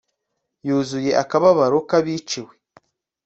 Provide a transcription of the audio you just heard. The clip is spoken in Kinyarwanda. Yuzuye akababaro kabaciwe